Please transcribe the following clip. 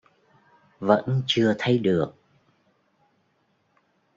Vẫn chưa thấy được